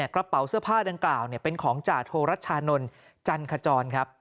กระเป๋าเสื้อผ้าดังกล่าวเป็นของจ่าโทรัชชานนท์จันขจรครับ